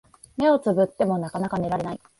目をつぶってもなかなか眠れない